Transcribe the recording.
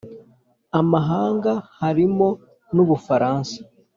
amahanga, harimo n'u bufaransa,